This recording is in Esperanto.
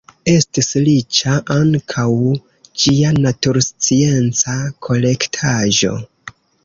Estis riĉa ankaŭ ĝia naturscienca kolektaĵo.